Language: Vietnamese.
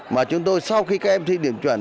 mà chúng tôi sau khi các em thi điểm chuẩn